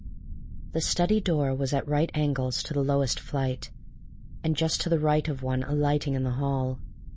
The study door was at right angles to the lowest flight, and just to the right of one alighting in the hall.